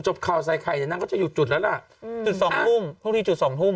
จบข่าวใส่ไข่เดี๋ยวนั้นก็จะอยู่จุดแล้วล่ะอืมจุดสองทุ่มทุ่มที่จุดสองทุ่ม